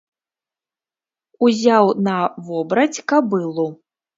Узяў на вобраць кабылу.